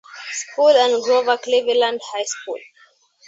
School and Grover Cleveland High School.